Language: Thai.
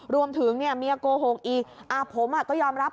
รวมถึงเนี่ยเมียโกหกอีกผมก็ยอมรับ